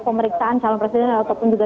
pemeriksaan calon presiden ataupun juga